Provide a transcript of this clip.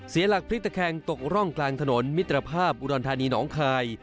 เสียหลักพลิกตะแคงตกร่องกลางถนนมิตรภาพอุดรธานีน้องคาย